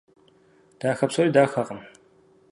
Дахэ псори дахэкъым.